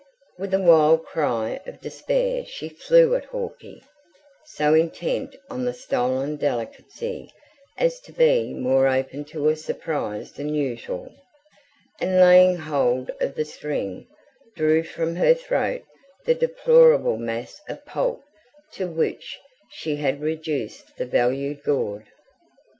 With a wild cry of despair she flew at Hawkie, so intent on the stolen delicacy as to be more open to a surprise than usual, and laying hold of the string, drew from her throat the deplorable mass of pulp to which she had reduced the valued gaud.